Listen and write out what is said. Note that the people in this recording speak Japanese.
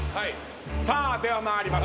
さあでは参ります。